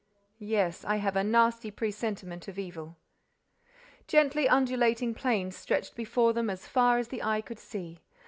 Yes, I have a nasty presentiment of evil." Gently undulating plains stretched before them as far as the eye could see.